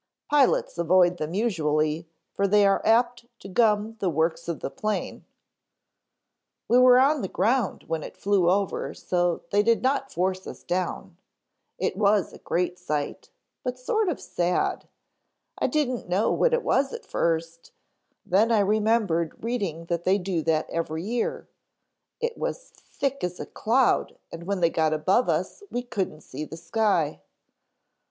"Pilots avoid them usually for they are apt to gum the works of the plane " "We were on the ground when it flew over so they did not force us down. It was a great sight, but sort of sad. I didn't know what it was at first, then I remembered reading that they do that every year; it was thick as a cloud and when they got above us we couldn't see the sky."